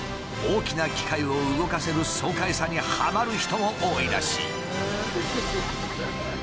大きな機械を動かせる爽快さにはまる人も多いらしい。